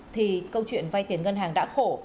thì câu chuyện vay tiền ngân hàng đã khổ